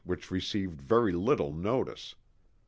which received very little notice.